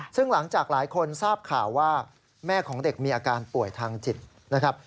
ซึ่งหลังจากหลายคนทราบข่าวว่าแม่ของเด็กมีอาการป่วยทางจิตนะครับ